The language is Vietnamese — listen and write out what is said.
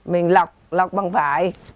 mình lọc lọc bằng vải